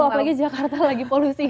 apalagi jakarta lagi polusi